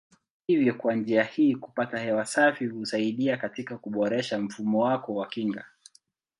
Hivyo kwa njia hii kupata hewa safi husaidia katika kuboresha mfumo wako wa kinga.